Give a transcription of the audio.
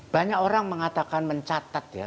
banyak orang mengatakan mencatat ya